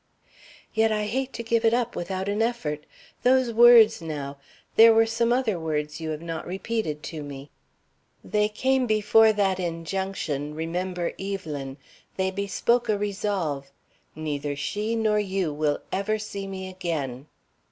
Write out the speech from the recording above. "Yet I hate to give it up without an effort. Those words, now. There were some other words you have not repeated to me." "They came before that injunction, 'Remember Evelyn!' They bespoke a resolve. 'Neither she nor you will ever see me again.'"